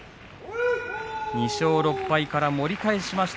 ２勝６敗から、盛り返しました